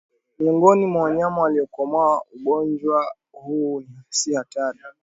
Miongoni mwa wanyama waliokomaa ugonjwa huu si hatari